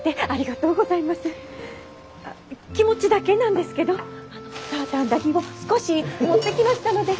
気持ちだけなんですけどサーターアンダギーを少し持ってきましたので。